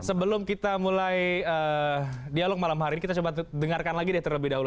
sebelum kita mulai dialog malam hari ini kita coba dengarkan lagi deh terlebih dahulu